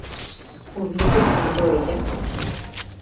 ¿hubiese vivido ella?